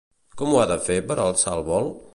Com ho ha de fer per alçar el vol?